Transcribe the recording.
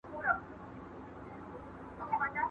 قربان دې له نامــــــــــــې شم ايمانونه نامعلوم دي